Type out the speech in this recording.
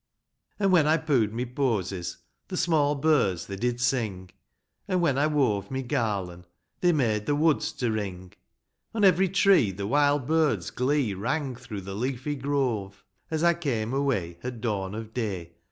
V. An' when I poo'd my posies, The small birds they did sing ; An' when I wove my garlan'. They made the woods to ring ; On every tree, the wild birds' glee, Rang through the leafy grove, As I came away, at dawn of day.